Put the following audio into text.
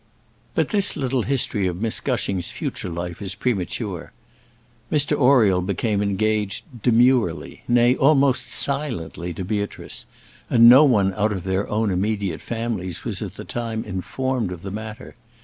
But this little history of Miss Gushing's future life is premature. Mr Oriel became engaged demurely, nay, almost silently, to Beatrice, and no one out of their own immediate families was at the time informed of the matter.